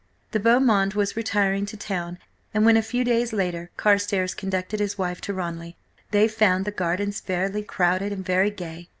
The beau monde was returning to town, and when, a few days later, Carstares conducted his wife to Ranelagh, they found the gardens fairly crowded and very gay.